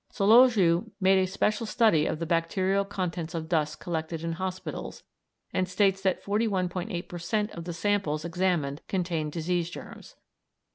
Solowjew made a special study of the bacterial contents of dust collected in hospitals, and states that 41·8 per cent. of the samples examined contained disease germs.